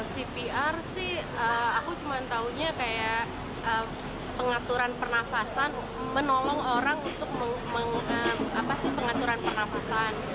cpr sih aku cuma tahunya kayak pengaturan pernafasan menolong orang untuk pengaturan pernafasan